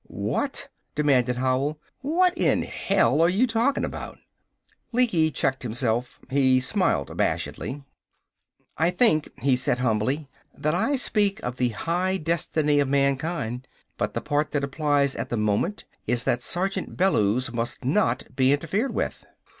"What," demanded Howell, "what in hell are you talking about?" Lecky checked himself. He smiled abashedly: "I think," he said humbly, "that I speak of the high destiny of mankind. But the part that applies at the moment is that Sergeant Bellews must not be interfered with."